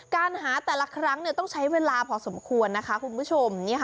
การหาแต่ละครั้งต้องใช้เวลาพอสมควรนะคะคุณผู้ชม